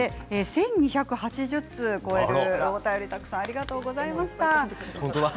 １２８０通を超えるお便りたくさんありがとうございました。